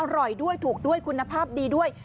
อร่อยด้วยถูกด้วยคุณภาพดีด้วย